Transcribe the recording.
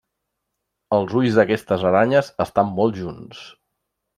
Els ulls d'aquestes aranyes estan molt junts.